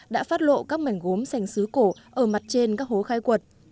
đã phát lộ các mảnh gốm sành xứ cổ ở mặt trên các hố khai quật